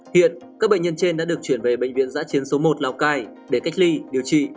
hiện các bệnh nhân trên đã được chuyển về bệnh viện giã chiến số một lào cai để cách ly điều trị